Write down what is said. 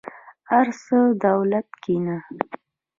ارڅه دولته کينه.